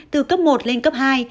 từ cấp một lên cấp hai